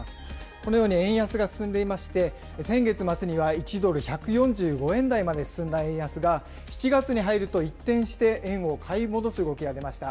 このように円安が進んでいまして、先月末には１ドル１４５円台まで進んだ円安が、７月に入ると一転して円を買い戻す動きが出ました。